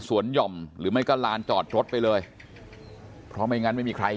หย่อมหรือไม่ก็ลานจอดรถไปเลยเพราะไม่งั้นไม่มีใคร